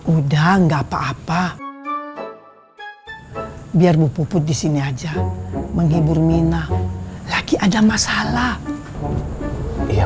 udah nggak apa apa biar bupuput di sini aja menghibur mina lagi ada masalah iya